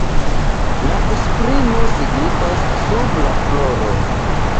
La esprimo signifas „sub la floro“.